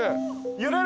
揺れる？